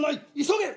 急げ！